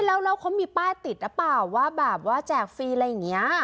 แล้วเขามีป้ายติดหรือเปล่าว่าแบบว่าแจกฟรีอะไรอย่างนี้